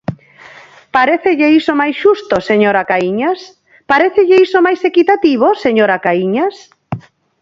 ¿Parécelle iso máis xusto, señora Caíñas?, ¿parécelle iso máis equitativo, señora Caíñas?